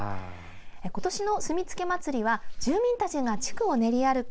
今年のすみつけ祭は住民たちが地区を練り歩く